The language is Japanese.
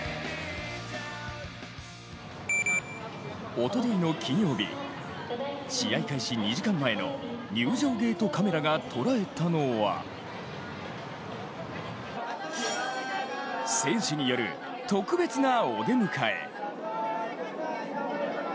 おとといの金曜日、試合開始２時間前の入場ゲートカメラが捉えたのは選手による、特別なお出迎え。